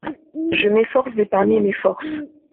Je m’efforce d’épargner mes forces.